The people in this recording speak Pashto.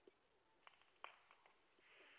په زاویه کې د دروازې ښي خوا ته یو ځوړند جومات دی.